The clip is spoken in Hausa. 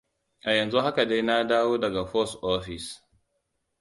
A yanzu haka dai na dawo daga fos ofis.